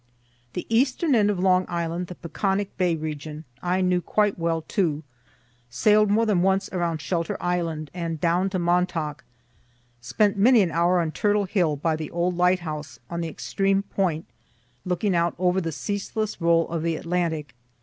The eastern end of Long Island, the Peconic bay region, I knew quite well too sail'd more than once around Shelter island, and down to Montauk spent many an hour on Turtle hill by the old light house, on the extreme point, looking out over the ceaseless roll of the Atlantic.